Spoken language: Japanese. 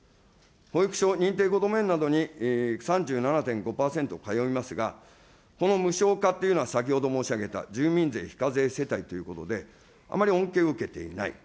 保育所、認定こども園などに３７．５％通いますが、この無償化というのは先ほど申し上げた住民税非課税世帯ということで、あまり恩恵を受けていない。